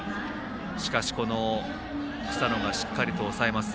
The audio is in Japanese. しかし、草野がしっかりと抑えます。